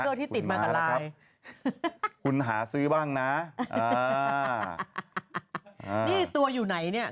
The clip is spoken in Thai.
สติ๊กเกอร์ที่ติดมากับลายคุณม้าครับคุณหาซื้อบ้างนะอ่านี่ตัวอยู่ไหนเนี่ย